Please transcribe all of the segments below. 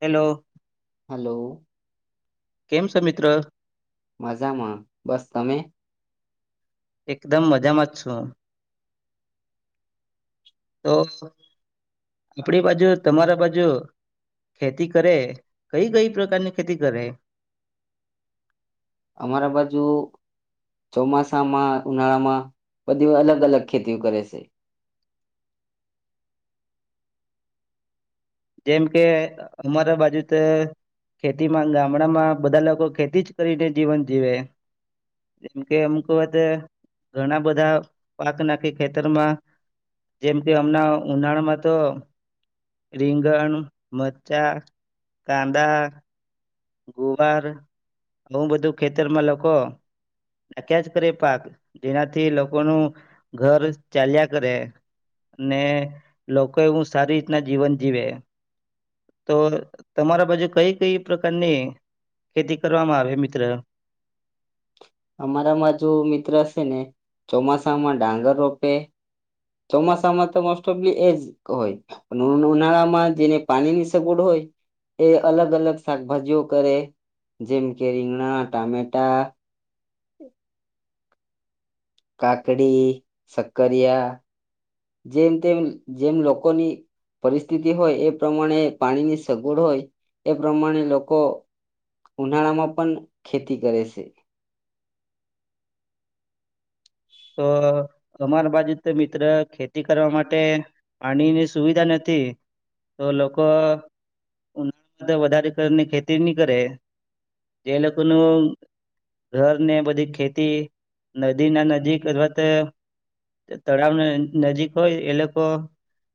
Hello hello. કેમ છો મિત્ર? મજામાં બસ. તમે? એકદમ મજામાં જ છું. તો આપણી બાજુ તમારા બાજુ ખેતી કરે કઈ કઈ પ્રકારની ખેતી કરે? અમારા બાજુ ચોમાસામાં ઉનાળામાં બધી અલગ અલગ ખેતીઓ કરે સે. જેમ કે અમારા બાજુ ત ખેતીમાં ન ગામડામાં બધા લોકો ખેતી જ કરીને જીવન જીવે. જેમ કે, અમુ કહતે ઘણા બધા પાક નાખી ખેતરમાં જેમ કે, હમના ઉનાળામાં તો રીંગણ, મચ્ચા, કાદા ગુવાર આવું બધું ખેતરમાં લોકો નાખ્યા જ કરે પાક. જેનાથી લોકોનું ઘર ચાલ્યા કરે અને લોકો એવું સારી રીતના જીવન જીવે. તો તમારા બાજુ કઈ કઈ પ્ર કારની ખેતી કરવામાં આવે મિત્ર? અમારામાં જો મિત્ર સેને ચોમાસામાં ડાંગર રોપે. ચોમાસામાં તો મોસ્ટ ઓફલી એ જ હોય પણ ઉનાળામાં જેને પાણીની સગવડ હોય એ અલગ અલગ શાકભાજીઓ કરે જેમ કે રીંગણા, ટામેટા હ કાકડી, શક્કરિયા. જેમ તેમ જેમ લોકોની પરિસ્થિતિ હોય એ પ્રમાણે પાણીની સગવડ હોય એ પ્રમાણે લોકો ઉનાળામાં પણ ખેતી કરે સે. તો અમાર બાજુ તો મિત્ર ખેતી કરવા માટે પાણીની સુવિધા નથી. તો લોકો ઉના [inaudible] વધારે તરની ખેતી ની કરહે. જે લોકોનું ઘર ને બધી ખેતી નદીના નજીક ક રોતે ત તળાવને નજીક હોય એ લોકો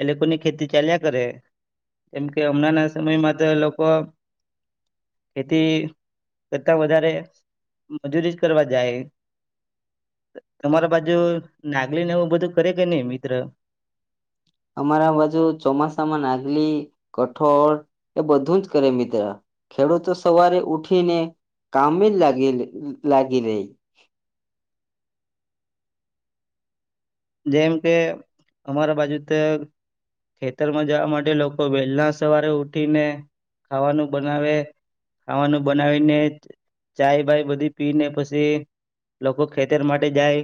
એ લોકોની ખેતી ચાલ્યા કરહે. કેમ કે હમણાં ના સમયમાં તો લોકો ખેતી કરતા વધારે મજૂરી જ કરવા જાય. તમારા બાજુ નાગલીને એવું બધું કરે કે ની મિત્ર? અમારા બાજુ ચોમાસામાં નાગલી, કઠોળ એ બધું જ કરે મિત્ર. ખેડૂતો સવારે ઉઠીને કામે જ લાગીલ લ-લાગી રેય. જેમ કે, અમારા બાજુ ત ખેતરમાં જવા માટે લોકો વહેલા સવારે ઉઠીને ખાવાનું બનાવે. ખાવાનું બનાવીને ચાય બાય બધી પીને પસી લોકો ખેતર માટે જાય.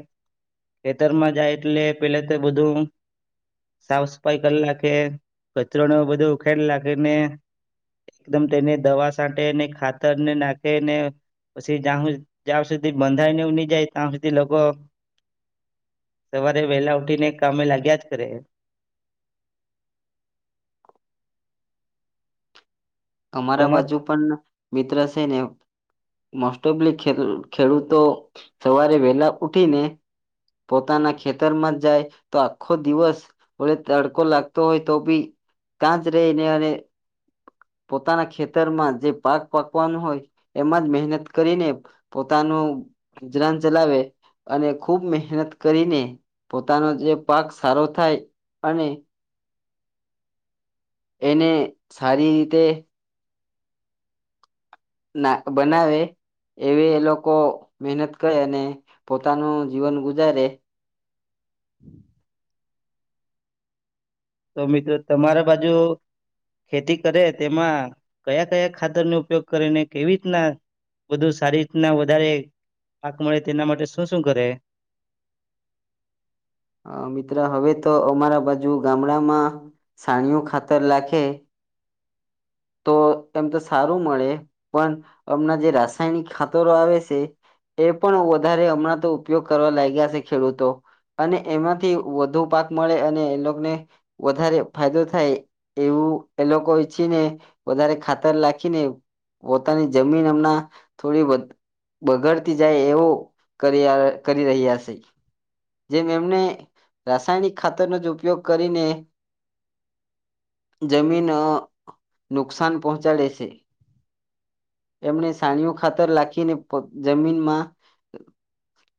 ખેતરમાં જાય એટલે પે તો બધું સાફ સફાઈ કલ લાખે. કચરોને એવું બધું ઉખેડ લાખેને એકદમ તેને દવા સાંટેને ખાતરને નાખે ને પછી જાઉં જ્યાં સુધી બંધાઈને એવું ની જાય તા હુધી લોકો સવારે વેલા ઉઠીને કામે લાગ્યા જ કરે. અમારા તમા બાજુ પણ મિત્ર સે ને મોસ્ટ ઓફબી ખેડ-ખેડૂતો સવારે વેલા ઉઠીને પોતાના ખેતરમાં જાય તો આખો દિવસ વળે તડકો લાગતો હોય તો બી તાંજ રઈને અને પોતાના ખેતરમાં જે પાક પાકવાનું હોય એમાં જ મહેનત કરીને પોતાનું ગુજરાન ચલાવે અને ખૂબ મહેનત કરીને પોતાનો જે પાક સારો થાય અને એને સારી રીતે ના બનાવે એવી એ લોકો મહેનત કરે અને પોતાનું જીવન ગુજારે. તો મિત્રો તમારે બાજુ ખેતી કરે તેમાં કયાં કયાં ખાતરનો ઉપયોગ કરેને કેવી રીતના બધું સારી રીતના વધારે પાક મળે તેના માટે શું શું કરે? અ મિત્ર હવે તો અમારા બાજુ ગામડામાં સાણનુ ખાતર લાખે. તો તેમ તો સારું મળે પણ હમણાં જે રાસાયણિક ખાતરો આવે સે એ પણ વધારે હમણાં તો ઉપયોગ કરવા લાગ્યા છે ખેડૂતો અને એમાંથી વધુ પાક મળે અને એ લોકને વધારે ફાયદો થાય એવું એ લોકો ઈચ્છીને વધારે ખાતર લાખીને પોતાની જમીન એમના થોડી વધ-બગડતી જાય એવું કરીયા-કરી રહ્યા સે. જેમ એમને રાસાયણિક ખાતરનો જ ઉપયોગ કરીને જમીન અ નુકસાન પહોંચાડે છે. એમને સાણીઓ ખાતર લાખીને પો જમીનમાં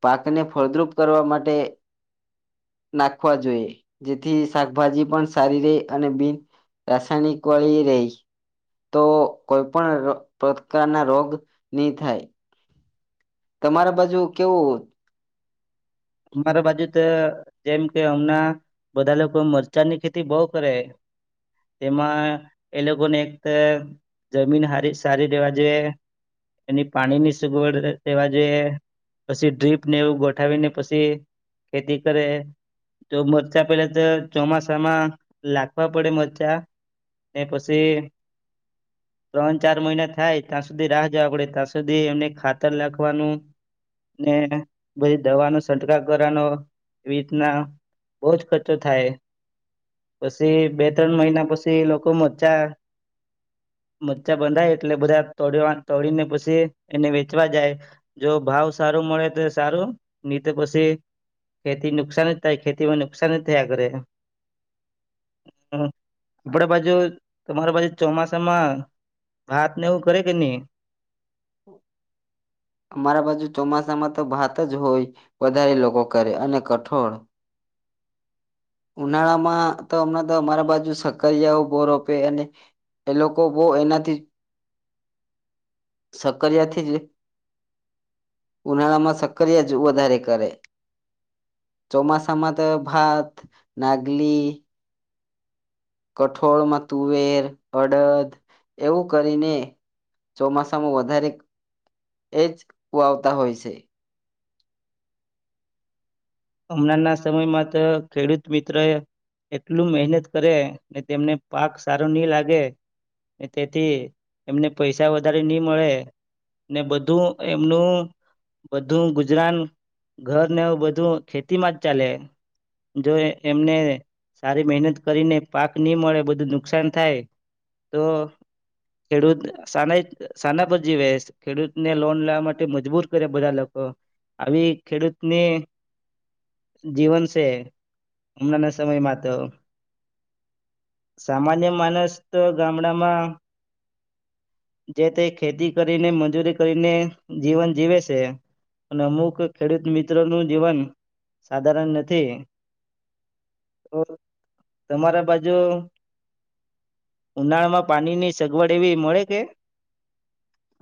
પાકને ફળદ્રુપ કરવા માટે નાખવા જોઈએ. જેથી શાકભાજી પણ સારી રેય અને બિન-રાસાયણિક વાળી રેય. તો કોઈ પણ રો પ્રકારના રોગ ની થાય. તમારા બાજુ કેવું મારા બાજુ તે જેમ કે, હમનાં બધા લોકો મરચાની ખેતી બહુ કરે. તેમાં એ લોકોને એક જમીન હારી સારી રેવા જે, એની પાણીની સગવડ રેવા જે, પછી ડ્રીપ ને એવું ગોઠવીને પછ ખેતી કરે તો મરચા પેલા તો ચોમાસામાં લાખવા પડે મરચા ને પસી ત્રણ ચાર મહિના થાય તાં સુધી રાહ જવા પડે તાં સુધી એમને ખાતર લાખવાનું ને બધી દવાનું છંટકાવ કરવાનો. એવીતના બોજ ખચ્ચો થાય. પસી બે ત્રણ મહિના પછી લોકો મચ્ચા મચ્ચા બંધાય એટલે બધા તોડીવા તોડીને પસી એને વેચવા જાય. જો ભાવ સારો મળે તો સારું ની તો પસી ખેતી નુકસાન જ થાય ખેતીમાં નુકસાન જ થયા કરે. આપડા બાજુ તમારા બાજુ ચોમાસામાં ભાતને એવું કરે કે ની? અમારા બાજુ ચોમાસામાં તો ભાત જ હોય વધારે લોકો કરે અને કઠોળ ઉનાળામાં તો હમણાં તો અમારા બાજુ શકરિયાઓ બો રોપે અને એ લોકો બો એનાથી સકરિયાથી જ ઉનાળામાં સકરિયા જ વધારે કરે ચોમાસામાં તો ભાત નાગલી. કઠોળમાં તુવેર અડદ એવું કરીને ચોમાસામાં વધારે એજ વાવતા હોય છે. હમણાં ના સમયમાં તો ખેડૂત મિત્ર એ એટલું મહેનત કરે ને તેમને પાક સારો નહી લાગે તેથી એમને પૈસા વધારે નહી મળે ને બધું એમનું બધું ગુજરાન ઘરને બધું ખેતીમાં જ ચાલે જો એમને સારી મહેનત કરીને પાક નહી મળે બધું નુકસાન થાય તો ખેડૂત સાના સાના પર જીવે ખેડૂતને લોન લેવા માટે મજબૂર કરે બધા લોકો આવી ખેડૂતને જીવન છે હમણાં ના સમયમાં તો સામાન્ય માણસ તો ગામડામાં જે તે ખેતી કરીને મજૂરી કરીને જીવન જીવે છે અને અમુક ખેડૂત મિત્રો નું જીવન સાધારણ નથી તો તમારા બાજુ ઉનાળામાં પાણીની સગવડ એવી મળે કે.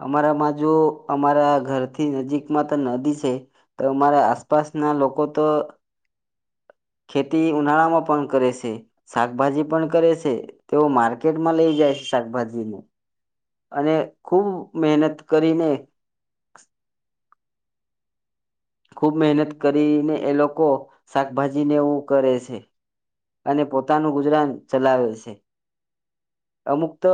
અમારામાં જો અમારા ઘરથી નજીકમાં તો નદી છે તો અમારા આસપાસના લોકો તો ખેતી ઉનાળામાં પણ કરે છે શાકભાજી પણ કરે છે તેઓ માર્કેટમાં લઈ જાય છે શાકભાજીને. અને ખૂબ મહેનત કરીને ખૂબ મહેનત કરીને એ લોકો શાકભાજી નેવું કરે છે અને પોતાનું ગુજરાન ચલાવે છે. અમુક તો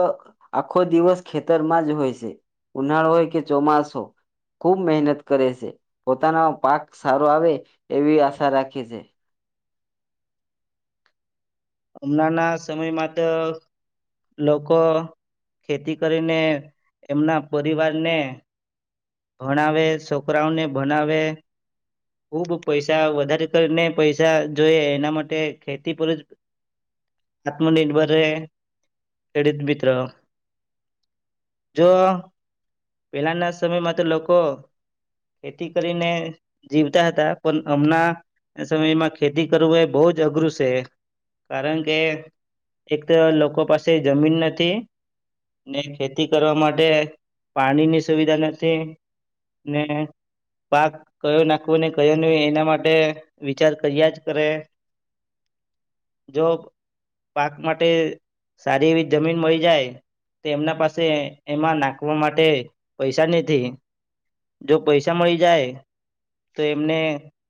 આખો દિવસ ખેતરમાં જ હોય છે ઉનાળો હોય કે ચોમાસો ખુબ મહેનત કરે છે પોતાનો પાક સારો આવે એવી આશા રાખે છે. હમણાં ના સમયમાં તો લોકો ખેતી કરીને એમના પરિવારને ભણાવે છોકરાઓને ભણાવે ખુબ પૈસા વધારે કરીને પૈસા જોઈ એના માટે ખેતી પર જ આત્મનિર્ભર રહે ખેડૂત મિત્ર જો પેલાના સમયમાં લોકો ખેતી કરીને જીવતા હતા પણ હમણાં સમયમાં ખેતી કરવું એ બહુ જ અઘરું છે કારણ કે એક તો લોકો પાસે જમીન નથી ને ખેતી કરવા માટે પાણીની સુવિધા નથી. ને પાક કયો નાખવો ને કયો નહી એના માટે વિચાર કર્યા જ કરે જો પાક માટે સારી એવી જમીન મળી જાય તો એમના પાસે એમાં નાખવા માટે પૈસા નથી. જો પૈસા મળી જાય તો એમને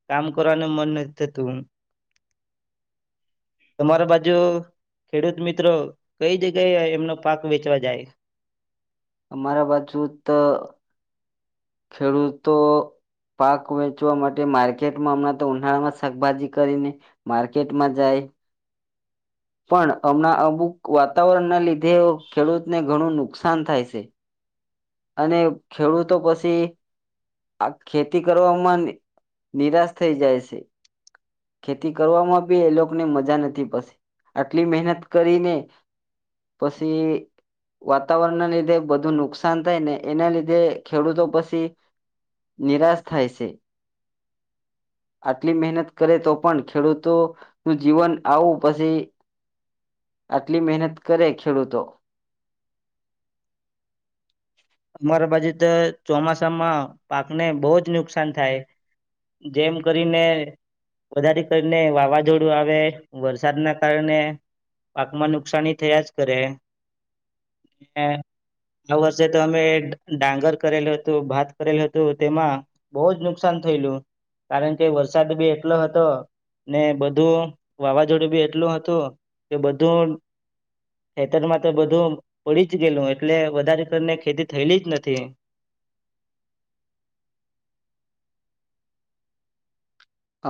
કામ કરવાનું મન નથી થતું તમારા બાજુ ખેડૂત મિત્રો કઈ જગ્યાએ એમનો પાક વેચવા જાય. અમારા બાજુ તો ખેડૂતો પાક વેચવા માટે માર્કેટમાં હમણાં તો ઉનાળામાં શાકભાજી કરીને માર્કેટમાં જાય. પણ હમણાં અમુક વાતાવરણના લીધે ખેડૂતને ઘણું નુકસાન થાય છે. અને ખેડૂતો પછી આ ખેતી કરવામાં નિરાશ થઈ જાય છે. ખેતી કરવામાં બી એ લોકોને મજા નથી પડસે આટલી મહેનત કરીને પછી વાતાવરણના લીધે બધું નુકસાન થાય ને એના લીધે ખેડૂતો પછી નિરાશ થાય છે આટલી મહેનત કરે તો પણ ખેડૂતો નું જીવન આવું પછી આટલી મહેનત કરે ખેડૂતો. અમારા બાજુ તો ચોમાસામાં પાકને બહુ જ નુકસાન થાય, જેમ કરીને વધારે કરીને વાવાઝોડું આવે, વરસાદના કારણે પાકમાં નુકસાની થયા જ કરે આ વર્ષે. મે ડાંગર કરેલું હતું, ભાત કરેલું હતું તેમાં બહુ જ નુકસાન થયેલું કારણ કે વરસાદ બી એટલો હતો ને બધું વાવાઝોડું બી એટલું હતું કે બધું ખેતરમાં તો બધું પડી જ ગયેલું, એટલે વધારે કરીને. ખેતી થયેલી જ નથી.